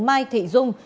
mai thị dung